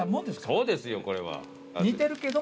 そうですこれは。